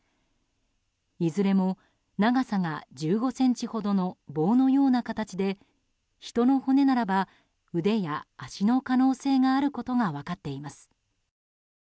いずれも、長さが１５ｃｍほどの棒のような形で人の骨ならば腕や足の可能性があることが分かっています。